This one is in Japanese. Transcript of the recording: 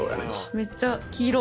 めっちゃ黄色。